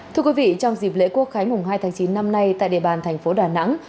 thưa quý vị trong dịp lễ quốc khái mùng hai tháng chín năm nay tại địa bàn thành phố đà nẵng